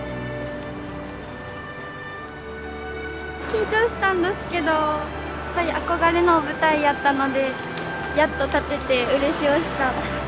緊張したんどすけどやっぱり憧れのお舞台やったのでやっと立ててうれしおした。